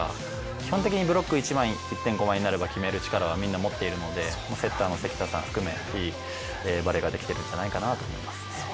基本的にブロック、１．５枚になれば決める力はみんな持っているのでセッターの関田さん含めいいバレーができてるんじゃないかなと思います。